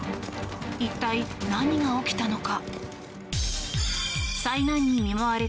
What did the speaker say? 一体、何が起きたのか。